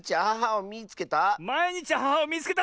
「まいにちアハハをみいつけた！」？